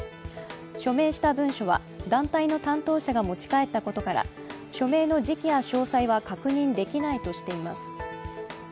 署名した文書は団体の担当者が持ち帰ったことから署名の時期や詳細は確認できないとしています。